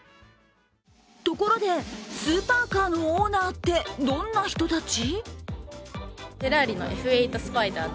ところで、スーパーカーのオーナーってどんな人たち？